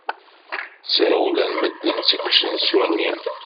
Srewlen medden seg usensu-nni.